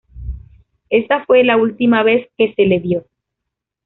Ésta fue la última vez que se le vio.